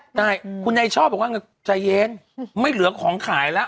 ใช่คุณนายชอบบอกว่าใจเย็นไม่เหลือของขายแล้ว